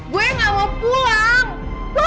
gue gak mau pulang